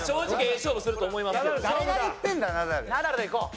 ナダルでいこう。